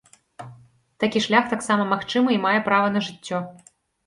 Такі шлях таксама магчымы і мае права на жыццё.